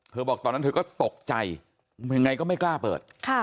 บอกตอนนั้นเธอก็ตกใจยังไงก็ไม่กล้าเปิด